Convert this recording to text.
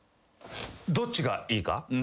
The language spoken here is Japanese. どっちがいいかね？